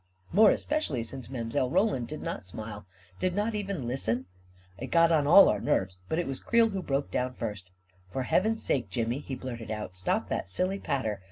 — more especially since Mile. Roland did not smile — did not even lis ten ? It got on all our nerves ; but it was Creel who broke down first. 11 For heaven's sake, Jimmy, he blurted out, " stop that silly patter